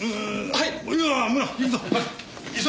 はい。